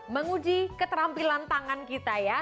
menguji keterampilan tangan kita ya